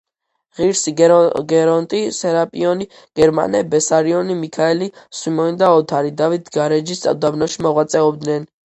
ღირსი გერონტი, სერაპიონი, გერმანე, ბესარიონი, მიქაელი, სვიმონი და ოთარი დავით-გარეჯის უდაბნოში მოღვაწეობდნენ.